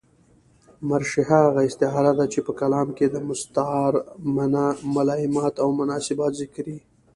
مرشحه هغه استعاره ده، چي په کلام کښي د مستعارمنه ملایمات اومناسبات ذکر يي.